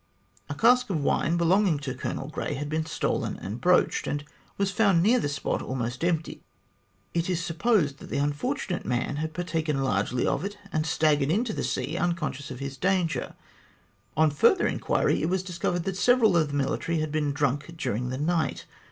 A cask of wine belonging to Colonel Grey had been stolen and broached, and was found near the spot almost empty. It is supposed that the unfortunate man had partaken largely of it, and staggered into the sea unconscious of his danger. On further inquiry, it was discovered that several of the military had been drunk during the night.